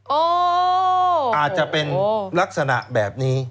อาจจะเป็นลักษณะแบบนี้